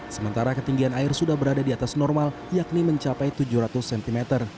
sementara ketinggian air sudah berada di atas normal yakni mencapai tujuh ratus cm